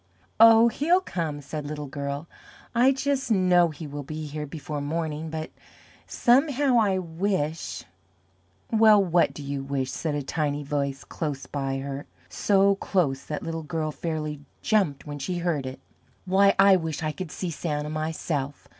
"Oh, he'll come," said Little Girl; "I just know he will be here before morning, but somehow I wish " "Well, what do you wish?" said a Tiny Voice close by her so close that Little Girl fairly jumped when she heard it. "Why, I wish I could SEE Santa myself.